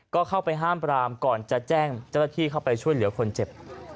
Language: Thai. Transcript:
ก็เข้าไปห้ามปรามก่อนจะแจ้งเจ้าหน้าที่เข้าไปช่วยเหลือคนเจ็บ